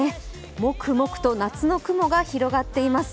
もくもくと夏の雲が広がっています。